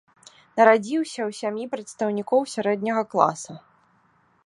Нарадзіўся ў сям'і прадстаўнікоў сярэдняга класа.